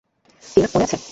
টিনা, মনে আছে?